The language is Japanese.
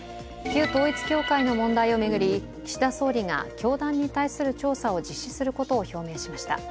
旧統一教会の問題を巡り岸田総理が教団に対する調査を実施することを表明しました。